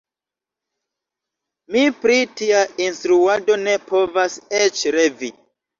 Mi pri tia instruado ne povas eĉ revi.